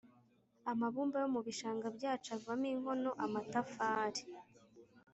amabumba yo mu bishanga byacu avamo inkono, amatafari…